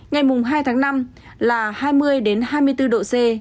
ngày mùng hai tháng năm là hai mươi hai mươi bốn độ c